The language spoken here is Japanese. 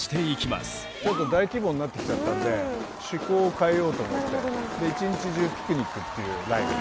大規模になってきちゃったんで趣向を変えようと思って一日中ピクニックっていうライブに。